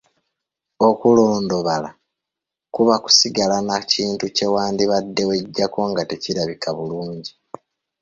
Okulondobala kuba kusigala na kintu kye wandibadde weggyako nga tekirabika bulungi.